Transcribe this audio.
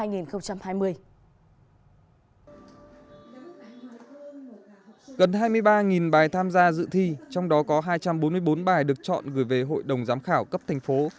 gần hai mươi ba bài tham gia dự thi trong đó có hai trăm bốn mươi bốn bài được chọn gửi về hội đồng giám khảo cấp thành phố